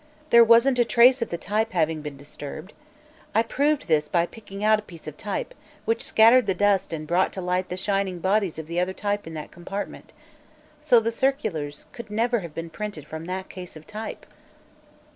There wasn't a trace of the type having been disturbed. I proved this by picking out a piece of type, which scattered the dust and brought to light the shining bodies of the other type in that compartment. So the circulars could never have been printed from that case of type."